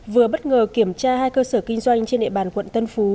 vừa bất ngờ kiểm tra hai cơ sở kinh doanh trên địa bàn quận tân phú